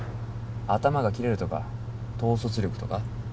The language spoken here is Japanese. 頭が切れるとか統率力とか？